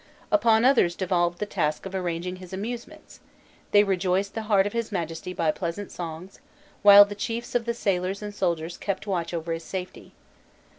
Upon others devolved the task of arranging his amusements; they rejoiced the heart of his Majesty by pleasant songs, while the chiefs of the sailors and soldiers kept watch over his safety.